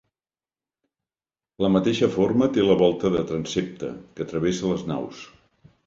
La mateixa forma té la volta del transsepte, que travessa les naus.